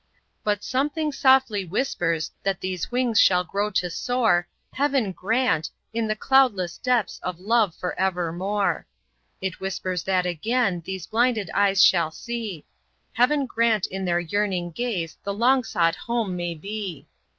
But something softly whispers that these wings shall grow to soar Heaven grant! in the cloudless depths of love for evermore. It whispers that again these blinded eyes shall see; Heaven grant in their yearning gaze the long sought home may be!